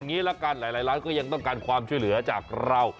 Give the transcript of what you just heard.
ละกันหลายร้านก็ยังต้องการความช่วยเหลือจากเรา